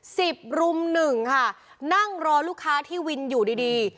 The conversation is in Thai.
สิบรุมหนึ่งค่ะนั่งรอลูกค้าที่วินอยู่ดีดี